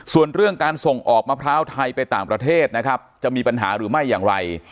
ส่วนเรื่องการส่งออกมะพร้าวไทยไปต่างประเทศนะครับจะมีปัญหาหรือไม่อย่างไร